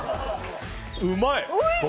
うまい！